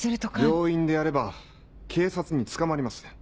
病院でやれば警察に捕まります